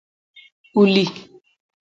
Uli